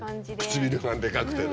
唇がデカくてね。